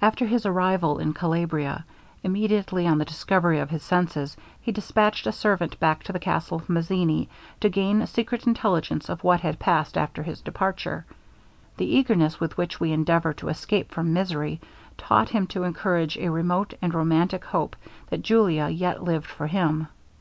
After his arrival in Calabria, immediately on the recovery of his senses, he dispatched a servant back to the castle of Mazzini, to gain secret intelligence of what had passed after his departure. The eagerness with which we endeavour to escape from misery, taught him to encourage a remote and romantic hope that Julia yet lived for him.